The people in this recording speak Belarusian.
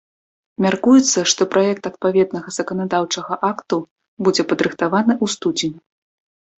Мяркуецца, што праект адпаведнага заканадаўчага акту будзе падрыхтаваны ў студзені.